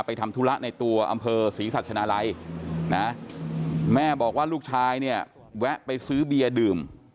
ทำธุระในตัวอำเภอศรีสัชนาลัยนะแม่บอกว่าลูกชายเนี่ยแวะไปซื้อเบียร์ดื่ม